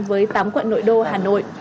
với tám quận nội đô hà nội